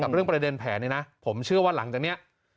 เรื่องประเด็นแผนนี้นะผมเชื่อว่าหลังจากนี้